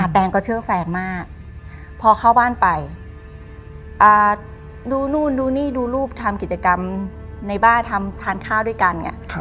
แตงก็เชื่อแฟนมากพอเข้าบ้านไปดูนู่นดูนี่ดูรูปทำกิจกรรมในบ้านทำทานข้าวด้วยกันไง